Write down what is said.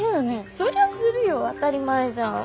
そりゃするよ当たり前じゃん。